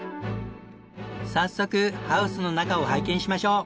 早速ハウスの中を拝見しましょう！